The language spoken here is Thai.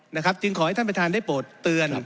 นะครับจึงขอให้ท่านประธานได้โปรดเตือน